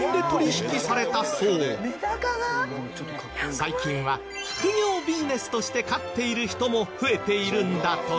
最近は副業ビジネスとして飼っている人も増えているんだとか。